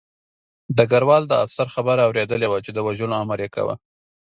ډګروال د افسر خبره اورېدلې وه چې د وژلو امر یې کاوه